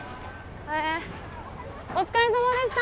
お疲れさまでした！